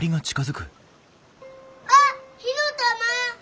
あっ火の玉！